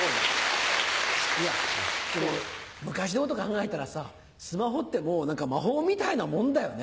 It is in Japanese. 昔のこと考えたらさスマホってもう魔法みたいなもんだよね。